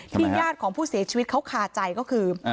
ญาติของผู้เสียชีวิตเขาคาใจก็คือ